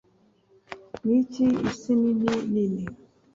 Niki Isi Nini Nini